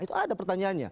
itu ada pertanyaannya